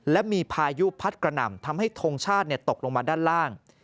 และมีพายุพัดกระหน่ำทำให้ทงชาติตกลงมาด้านล่าง